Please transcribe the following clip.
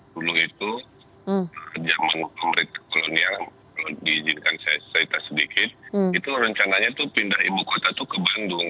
dulu itu zaman pemerintah kolonial kalau diizinkan saya cerita sedikit itu rencananya itu pindah ibu kota itu ke bandung